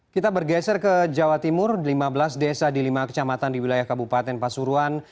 kita bergeser ke jawa timur lima belas desa di lima kecamatan di wilayah kabupaten pasuruan